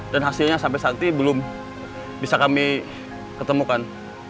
dan hasilnya sampai saat ini belum bisa kami ketemukan